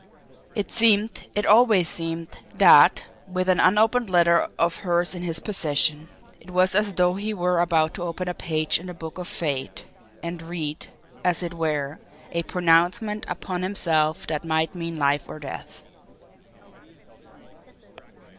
It seemed, it always seemed, that, with an unopened letter of hers in his possession, it was as though he were about to open a page in the Book of Fate and read, as it were, a pronouncement upon himself that might mean life or death.